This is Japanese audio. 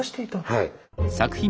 はい。